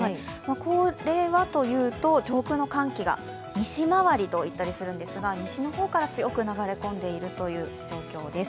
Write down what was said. これは上空の寒気が西回りと言ったりするんですが西の方から強く流れ込んでいる状況です。